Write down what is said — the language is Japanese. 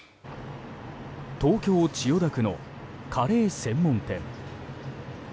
東京・千代田区のカレー専門店。